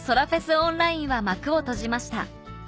オンラインは幕を閉じました